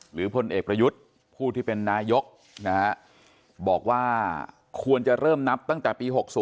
พลเอกประยุทธ์ผู้ที่เป็นนายกบอกว่าควรจะเริ่มนับตั้งแต่ปี๖๐